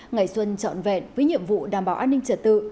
ngày xuân trọn vẹn với nhiệm vụ đảm bảo an ninh trật tự